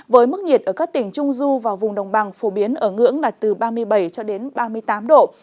với mức nhiệt ở các tỉnh trung du và vùng đồng bằng phổ biến ở ngưỡng là từ ba mươi bảy cho đến ba mươi tám độ